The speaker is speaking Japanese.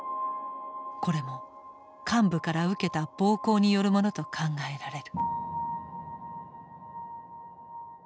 これも幹部から受けた暴行によるものと考えられる。